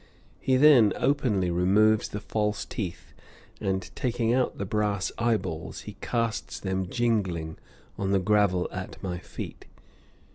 He then openly removes the false teeth, and taking out the brass eyeballs, he casts them jingling on the gravel at my feet.